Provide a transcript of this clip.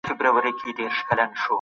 فساد په ټولنه کي بدې پایلې لري.